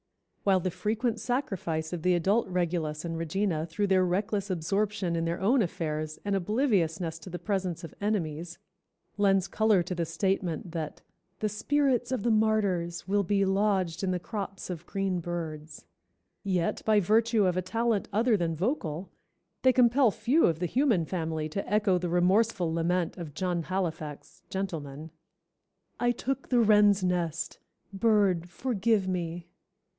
While the frequent sacrifice of the adult regulus and regina through their reckless absorption in their own affairs and obliviousness to the presence of enemies, lends color to the statement that "The spirits of the martyrs will be lodged in the crops of green birds," yet by virtue of a talent other than vocal, they compel few of the human family to echo the remorseful lament of John Halifax, Gentleman, "I took the wren's nest, Bird, forgive me!"